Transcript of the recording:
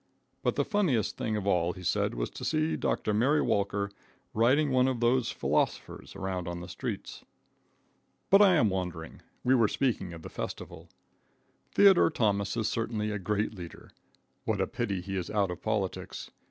But the funniest thing of all, he said, was to see Dr. Mary Walker riding one of these "philosophers" around on the streets. [Illustration: MAKING HIMSELF USEFUL.] But I am wandering. We were speaking of the Festival. Theodore Thomas is certainly a great leader. What a pity he is out of politics.